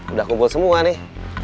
udah kumpul semua nih